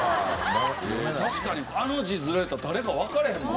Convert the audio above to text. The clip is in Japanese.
確かにあの字面やったら誰かわかれへんもん。